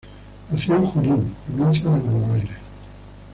Nació en Junín, provincia de Buenos Aires.